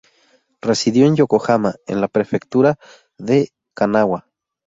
Residió en Yokohama, en la prefectura de Kanagawa.